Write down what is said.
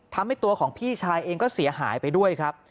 ทำให้ตัวของพี่ชายเองก็เสียหายไปด้วยครับ